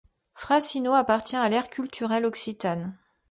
Frassino appartient à l'aire culturelle occitane.